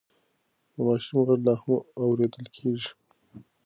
د ماشوم غږ لا هم اورېدل کېږي.